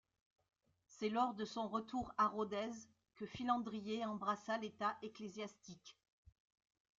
C'est lors de son retour à Rodez que Philandrier embrassa l'état ecclésiastique.